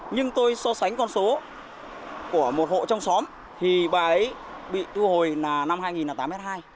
nhưng tôi so sánh con số của một hộ trong xóm thì bà ấy bị thu hồi là năm hai nghìn tám hai